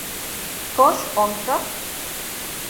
¿Kox onka?